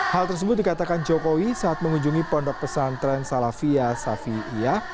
hal tersebut dikatakan jokowi saat mengunjungi pondok pesantren salavia safia